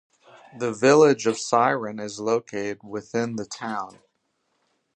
The village of Siren is located within the town.